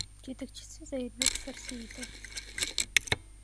Жетекчиси — Зайырбек Сарсеитов.